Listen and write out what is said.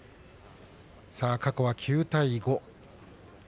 過去は９対５。